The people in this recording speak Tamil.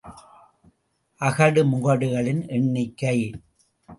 அகடு முகடுகளின் எண்ணிக்கை.